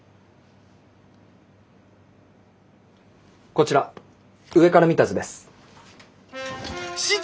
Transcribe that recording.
こちら上から見た図です。